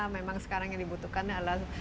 memang sekarang yang dibutuhkan adalah